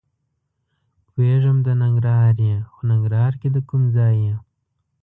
پوهېږم د ننګرهار یې؟ خو ننګرهار کې د کوم ځای یې؟